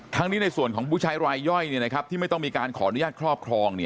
นี้ในส่วนของผู้ใช้รายย่อยที่ไม่ต้องมีการขออนุญาตครอบครอง